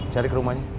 cari ke rumahnya